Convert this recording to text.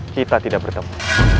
kita tidak bertemu